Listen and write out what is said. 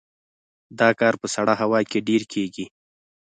دا کار په سړه هوا کې ډیر کیږي